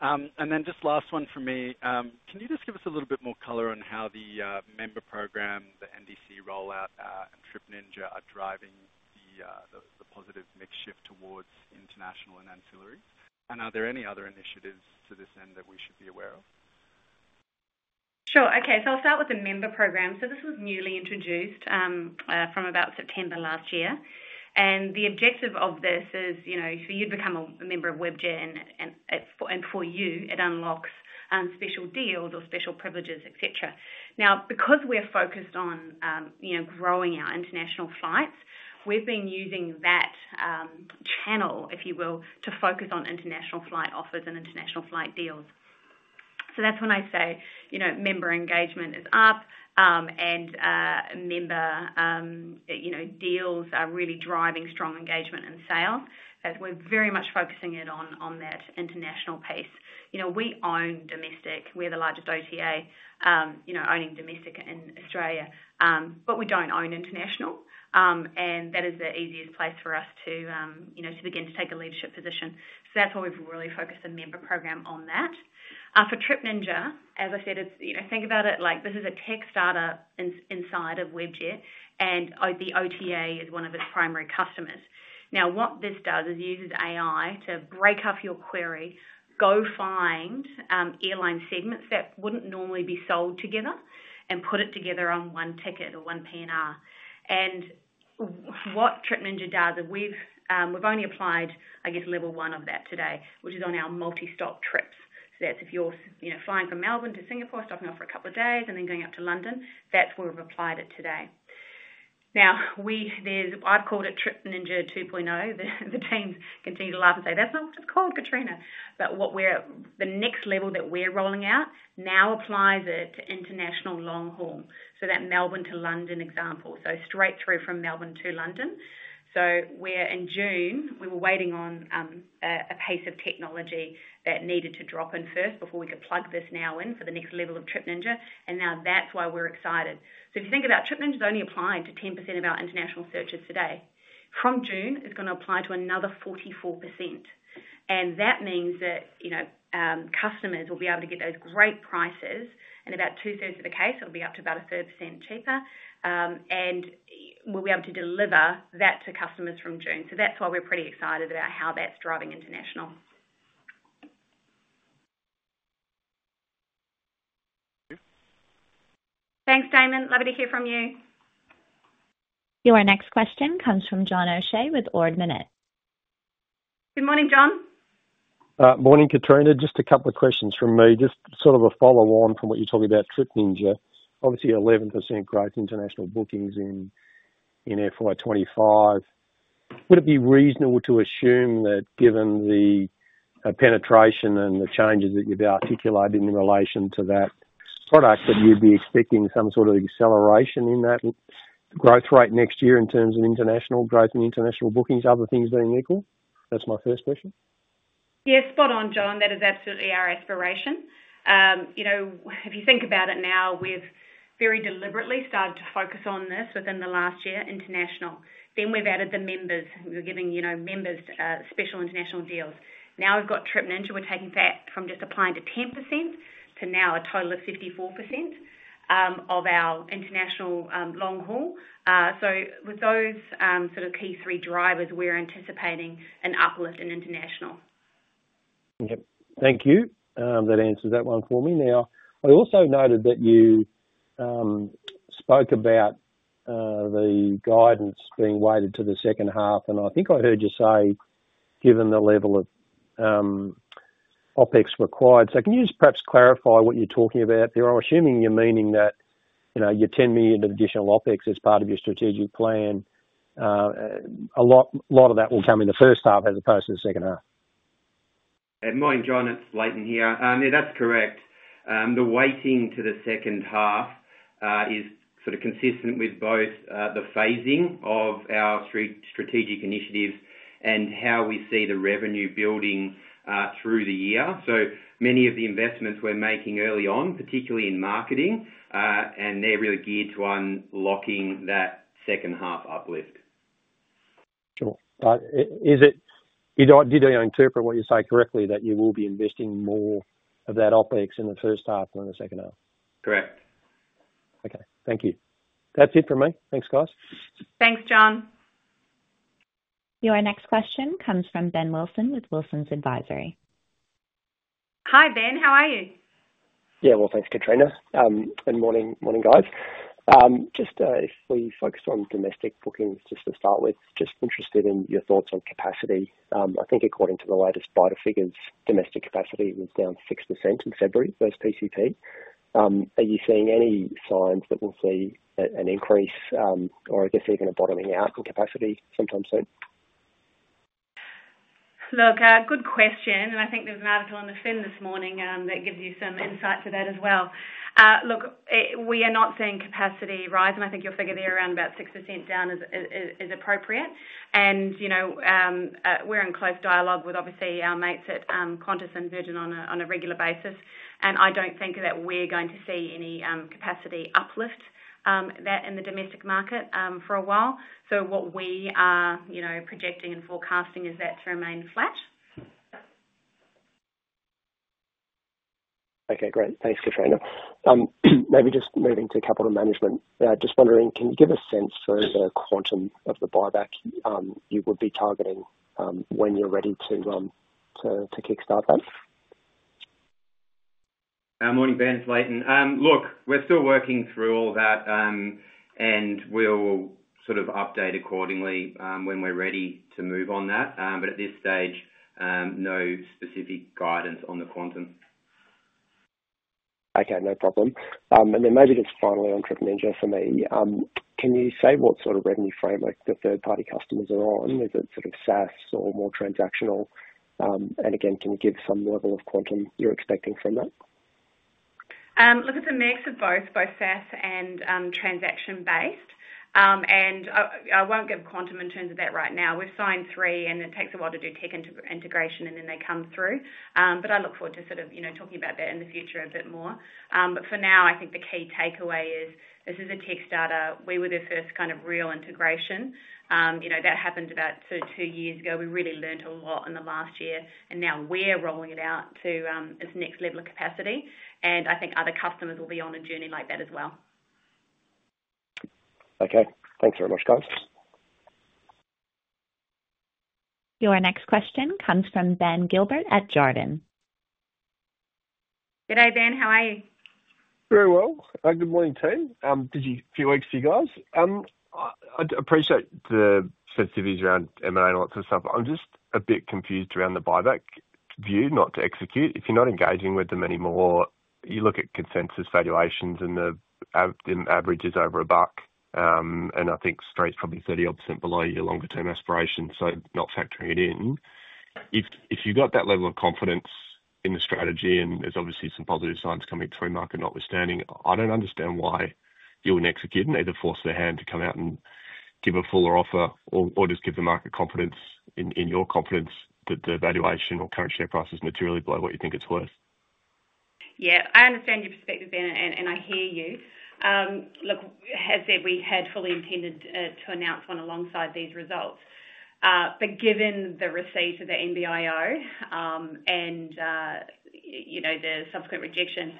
And then just last one for me. Can you just give us a little bit more color on how the member program, the NDC rollout, and Trip Ninja are driving the positive mix shift towards international and ancillaries? And are there any other initiatives to this end that we should be aware of? Sure. Okay. I'll start with the member program. This was newly introduced from about September last year. The objective of this is for you to become a member of Webjet. For you, it unlocks special deals or special privileges, etc. Now, because we're focused on growing our international flights, we've been using that channel, if you will, to focus on international flight offers and international flight deals. That's when I say member engagement is up. Member deals are really driving strong engagement and sales. We're very much focusing in on that international piece. We own domestic. We're the largest OTA owning domestic in Australia. We don't own international. That is the easiest place for us to begin to take a leadership position. That's why we've really focused the member program on that. For Trip Ninja, as I said, think about it like this is a tech startup inside of Webjet. And the OTA is one of its primary customers. Now, what this does is uses AI to break up your query, go find airline segments that wouldn't normally be sold together, and put it together on one ticket or one PNR. And what Trip Ninja does is we've only applied, I guess, level one of that today, which is on our multi-stop trips. So that's if you're flying from Melbourne to Singapore, stopping off for a couple of days, and then going up to London, that's where we've applied it today. Now, I've called it Trip Ninja 2.0. The teams continue to laugh and say, "That's not what it's called, Katrina." But the next level that we're rolling out now applies it to international long-haul. So that Melbourne to London example. Straight through from Melbourne to London. In June, we were waiting on a piece of technology that needed to drop in first before we could plug this now in for the next level of Trip Ninja. That is why we are excited. If you think about Trip Ninja, it is only applied to 10% of our international searches today. From June, it is going to apply to another 44%. That means that customers will be able to get those great prices. In about two-thirds of the cases, it will be up to about 30% cheaper. We will be able to deliver that to customers from June. That is why we are pretty excited about how that is driving international. Thank you. Thanks, Damon. Lovely to hear from you. Your next question comes from John O'Shea with Ord Minnett Good morning, John. Morning, Katrina. Just a couple of questions from me. Just sort of a follow-on from what you're talking about, Trip Ninja. Obviously, 11% growth in international bookings in FY 2025. Would it be reasonable to assume that given the penetration and the changes that you've articulated in relation to that product, that you'd be expecting some sort of acceleration in that growth rate next year in terms of international growth and international bookings, other things being equal? That's my first question. Yeah, spot on, John. That is absolutely our aspiration. If you think about it now, we've very deliberately started to focus on this within the last year, international. Then we've added the members. We're giving members special international deals. Now we've got Trip Ninja. We're taking that from just applying to 10% to now a total of 54% of our international long-haul. With those sort of key three drivers, we're anticipating an uplift in international. Yep. Thank you. That answers that one for me. Now, I also noted that you spoke about the guidance being weighted to the second half. I think I heard you say, given the level of OPEX required. Can you just perhaps clarify what you're talking about there? I'm assuming you're meaning that your 10 million additional OPEX is part of your strategic plan. A lot of that will come in the first half as opposed to the second half. Good morning, John. It's Layton here. Yeah, that's correct. The weighting to the second half is sort of consistent with both the phasing of our strategic initiatives and how we see the revenue building through the year. Many of the investments we're making early on, particularly in marketing, are really geared to unlocking that second half uplift. Sure. Did I interpret what you say correctly that you will be investing more of that OPEX in the first half than the second half? Correct. Okay. Thank you. That's it from me. Thanks, guys. Thanks, John. Your next question comes from Ben Wilson with Wilsons Advisory. Hi, Ben. How are you? Yeah, thanks, Katrina. Good morning, guys. Just if we focus on domestic bookings just to start with, just interested in your thoughts on capacity. I think according to the latest buyer figures, domestic capacity was down 6% in February versus PCP. Are you seeing any signs that we'll see an increase or, I guess, even a bottoming out in capacity sometime soon? Look, good question. I think there's an article in The Finn this morning that gives you some insight to that as well. Look, we are not seeing capacity rise. I think your figure there around about 6% down is appropriate. We are in close dialogue with, obviously, our mates at Qantas and Virgin on a regular basis. I do not think that we are going to see any capacity uplift in the domestic market for a while. What we are projecting and forecasting is that to remain flat. Okay, great. Thanks, Katrina. Maybe just moving to capital management. Just wondering, can you give a sense for the quantum of the buyback you would be targeting when you're ready to kickstart that? Morning, Ben. It's Layton. Look, we're still working through all that. We'll sort of update accordingly when we're ready to move on that. At this stage, no specific guidance on the quantum. Okay, no problem. Maybe just finally on Trip Ninja for me. Can you say what sort of revenue framework the third-party customers are on? Is it sort of SaaS or more transactional? Again, can you give some level of quantum you're expecting from that? Look, it's a mix of both, both SaaS and transaction-based. I won't give quantum in terms of that right now. We've signed three, and it takes a while to do tech integration, and then they come through. I look forward to sort of talking about that in the future a bit more. For now, I think the key takeaway is this is a tech startup. We were their first kind of real integration. That happened about two years ago. We really learned a lot in the last year. Now we're rolling it out to this next level of capacity. I think other customers will be on a journey like that as well. Okay. Thanks very much, guys. Your next question comes from Ben Gilbert at Jarden. Good day, Ben. How are you? Very well. Good morning, team. Busy few weeks for you guys. I appreciate the sensitivities around M&A and lots of stuff. I'm just a bit confused around the buyback view, not to execute. If you're not engaging with them anymore, you look at consensus valuations, and the average is over a buck. I think straight's probably 30% below your longer-term aspiration. Not factoring it in. If you've got that level of confidence in the strategy, and there's obviously some positive signs coming through, market notwithstanding, I don't understand why you wouldn't execute and either force their hand to come out and give a fuller offer or just give the market confidence in your confidence that the valuation or current share price is materially below what you think it's worth. Yeah. I understand your perspective, Ben, and I hear you. Look, as said, we had fully intended to announce one alongside these results. Given the receipt of the NBIO and the subsequent rejection,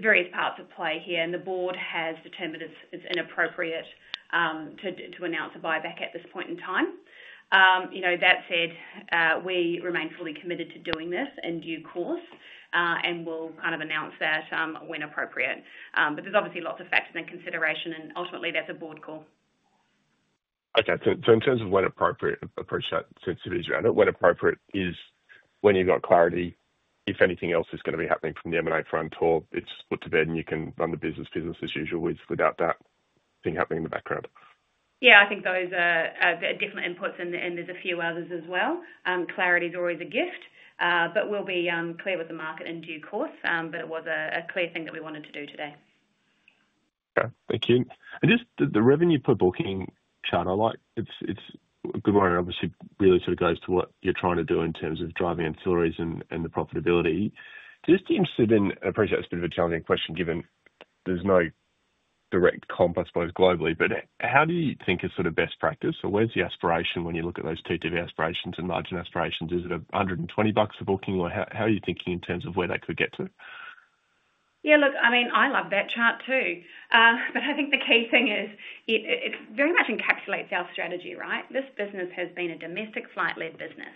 various parts at play here. The board has determined it's inappropriate to announce a buyback at this point in time. That said, we remain fully committed to doing this in due course. We'll kind of announce that when appropriate. There's obviously lots of factors in consideration. Ultimately, that's a board call. Okay. So in terms of when appropriate, approach that sensitivity around it. When appropriate is when you've got clarity if anything else is going to be happening from the M&A front or it's put to bed and you can run the business as usual without that thing happening in the background. Yeah, I think those are definitely inputs. And there's a few others as well. Clarity is always a gift. But we'll be clear with the market in due course. But it was a clear thing that we wanted to do today. Okay. Thank you. Just the revenue per booking chart, I like it is a good one. It obviously really sort of goes to what you are trying to do in terms of driving ancillaries and the profitability. Just interested in—I appreciate it is a bit of a challenging question given there is no direct comp, I suppose, globally. How do you think is sort of best practice? Where is the aspiration when you look at those T2 aspirations and margin aspirations? Is it 120 bucks a booking? How are you thinking in terms of where that could get to? Yeah, look, I mean, I love that chart too. I think the key thing is it very much encapsulates our strategy, right? This business has been a domestic flight-led business.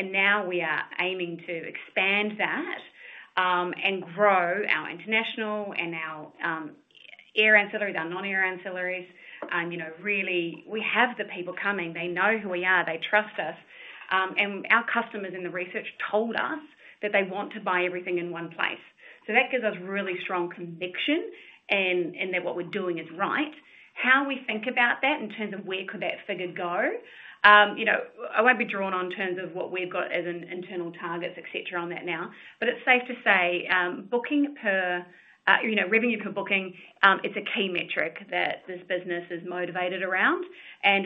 Now we are aiming to expand that and grow our international and our air ancillaries, our non-air ancillaries. Really, we have the people coming. They know who we are. They trust us. Our customers in the research told us that they want to buy everything in one place. That gives us really strong conviction in that what we're doing is right. How we think about that in terms of where could that figure go? I won't be drawn on terms of what we've got as internal targets, etc., on that now. It's safe to say revenue per booking, it's a key metric that this business is motivated around.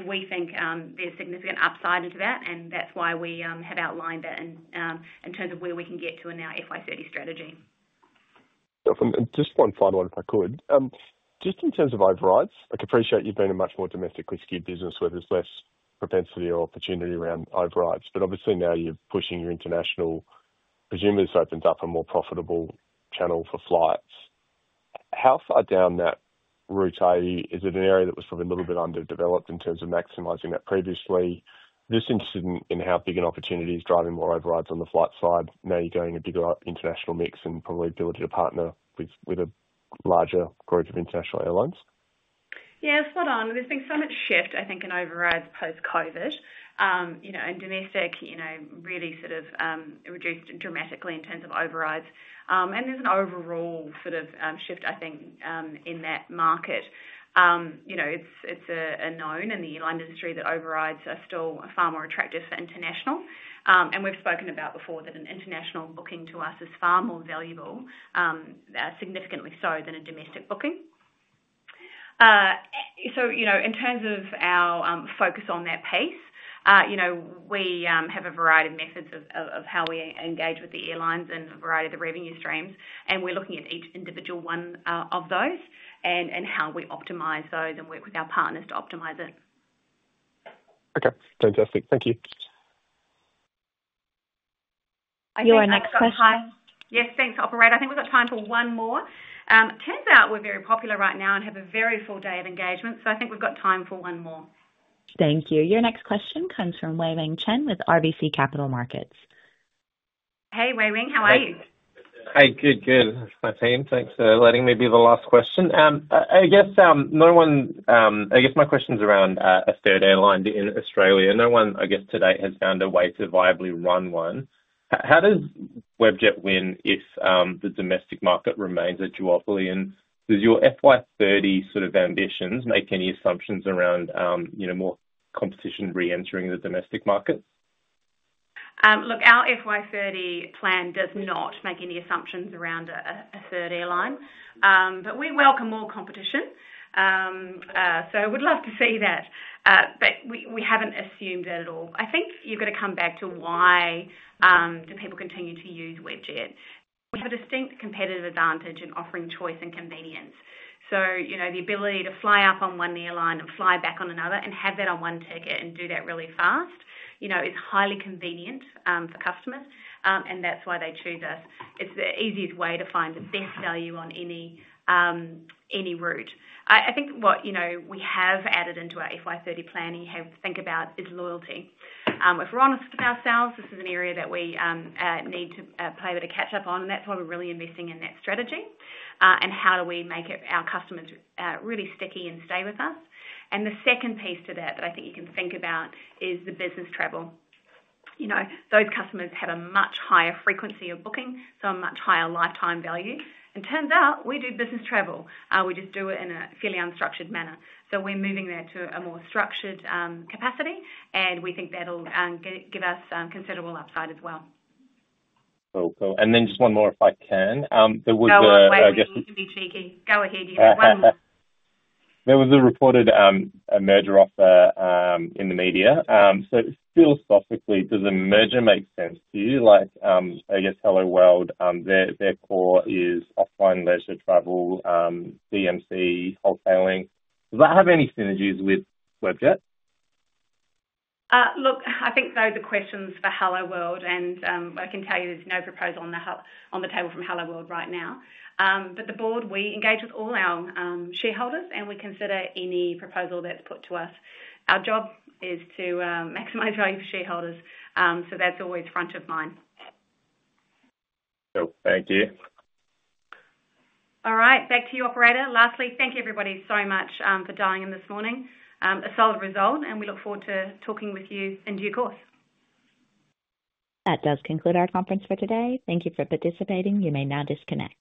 We think there's significant upside into that. That's why we have outlined it in terms of where we can get to in our FY 2030 strategy. Just one final one, if I could. Just in terms of overrides, I appreciate you've been a much more domestically skewed business where there's less propensity or opportunity around overrides. Obviously now you're pushing your international. Presumably, this opens up a more profitable channel for flights. How far down that route are you? Is it an area that was probably a little bit underdeveloped in terms of maximizing that previously? Just interested in how big an opportunity is driving more overrides on the flight side. Now you're going a bigger international mix and probably ability to partner with a larger group of international airlines. Yeah, spot on. There's been so much shift, I think, in overrides post-COVID. And domestic really sort of reduced dramatically in terms of overrides. There's an overall sort of shift, I think, in that market. It's a known in the airline industry that overrides are still far more attractive for international. We've spoken about before that an international booking to us is far more valuable, significantly so than a domestic booking. In terms of our focus on that piece, we have a variety of methods of how we engage with the airlines and a variety of the revenue streams. We're looking at each individual one of those and how we optimize those and work with our partners to optimize it. Okay. Fantastic. Thank you. Your next question. Yes, thanks, Operator. I think we've got time for one more. Turns out we're very popular right now and have a very full day of engagement. I think we've got time for one more. Thank you. Your next question comes from Wei-Weng Chen with RBC Capital Markets. Hey, Wei-Wing. How are you? Hey, good, good. It's my team. Thanks for letting me be the last question. I guess my question's around a third airline in Australia. No one, I guess, to date has found a way to viably run one. How does Webjet win if the domestic market remains a duopoly? Does your FY 2030 sort of ambitions make any assumptions around more competition re-entering the domestic market? Look, our FY 2030 plan does not make any assumptions around a third airline. We welcome more competition. We'd love to see that. We haven't assumed that at all. I think you've got to come back to why do people continue to use Webjet. We have a distinct competitive advantage in offering choice and convenience. The ability to fly up on one airline and fly back on another and have that on one ticket and do that really fast is highly convenient for customers. That's why they choose us. It's the easiest way to find the best value on any route. I think what we have added into our FY 2030 planning to think about is loyalty. If we're honest with ourselves, this is an area that we need to play a bit of catch-up on. That's why we're really investing in that strategy. How do we make our customers really sticky and stay with us? The second piece to that that I think you can think about is the business travel. Those customers have a much higher frequency of booking, so a much higher lifetime value. Turns out we do business travel. We just do it in a fairly unstructured manner. We are moving that to a more structured capacity. We think that will give us considerable upside as well. Cool, cool. And then just one more, if I can. There was a— No, wait. You can be cheeky. Go ahead. You had one more. There was a reported merger offer in the media. So philosophically, does a merger make sense to you? Like, I guess, HelloWorld, their core is offline leisure travel, DMC, wholesaling. Does that have any synergies with Webjet? Look, I think those are questions for HelloWorld. I can tell you there's no proposal on the table from HelloWorld right now. The board, we engage with all our shareholders. We consider any proposal that's put to us. Our job is to maximize value for shareholders. That's always front of mind. Cool. Thank you. All right. Back to you, Operator. Lastly, thank you, everybody, so much for dialing in this morning. A solid result. We look forward to talking with you in due course. That does conclude our conference for today. Thank you for participating. You may now disconnect.